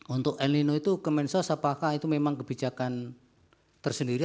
untuk el nino itu kemensos apakah itu memang kebijakan tersendiri